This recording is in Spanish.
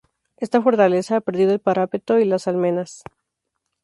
Esta fortaleza ha perdido el parapeto y las almenas.